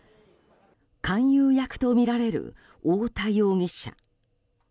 勧誘役とみられる太田容疑者。